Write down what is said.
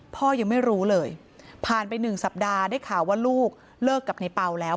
พ่อยังไม่รู้เลยผ่านไป๑สัปดาห์ได้ข่าวว่าลูกเลิกกับในเปล่าแล้ว